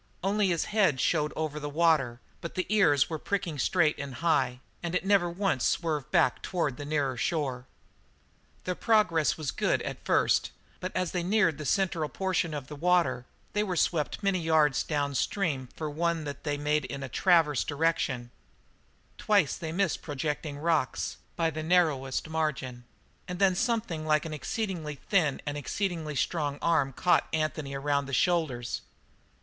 Only his head showed over the water, but the ears were pricking straight and high, and it never once swerved back toward the nearer shore. Their progress at first was good, but as they neared the central portion of the water they were swept many yards downstream for one that they made in a transverse direction. Twice they missed projecting rocks by the narrowest margin, and then something like an exceedingly thin and exceedingly strong arm caught Anthony around the shoulders.